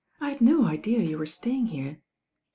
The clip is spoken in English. I had no idea you were staying here.'